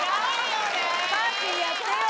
パーティーやってよ。